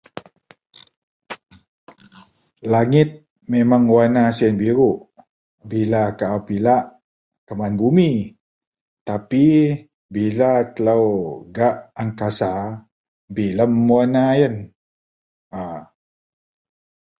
langit memang warena siyen biruk, bila kaau pilak keman bumi tapi bila telou gak angkasa, bilem werena yen, a.